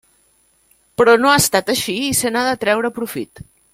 Però no ha estat així i se n'ha de treure profit.